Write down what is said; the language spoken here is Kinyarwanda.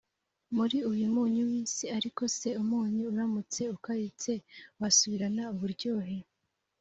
muri umunyu i w isi ariko se umunyu uramutse ukayutse wasubirana uburyohe